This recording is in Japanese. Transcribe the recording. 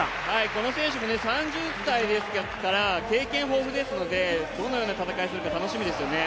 この選手も３０歳ですから経験豊富ですのでどのような戦いをするか楽しみですよね。